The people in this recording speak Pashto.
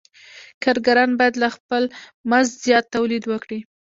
کارګران باید له خپل مزد زیات تولید وکړي